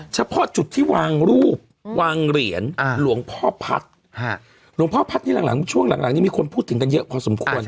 เฉพาะจุดที่วางรูปวางเหรียญหลวงพ่อพัทธ์หลวงพ่อพัทธ์ที่หลังนี้มีคนพูดกันเยอะกว่าสมควร